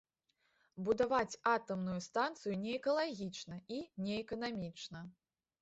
Будаваць атамную станцыю неэкалагічна і неэканамічна.